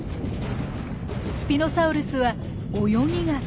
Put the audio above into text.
スピノサウルスは泳ぎが得意。